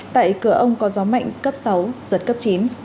tại cửa ông có gió mạnh cấp sáu giật cấp chín